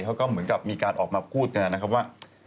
เขาก็เหมือนกับมีการออกมาพูดกันนะครับว่า